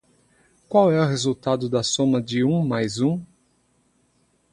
Qual é o resultado da soma de um mais um?